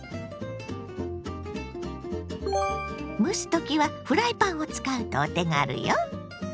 蒸すときはフライパンを使うとお手軽よ。